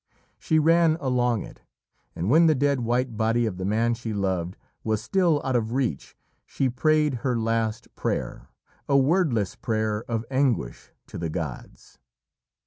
She ran along it, and when the dead, white body of the man she loved was still out of reach, she prayed her last prayer a wordless prayer of anguish to the gods.